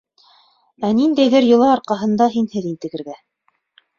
Ә ниндәйҙер йола арҡаһында һинһеҙ интегергә...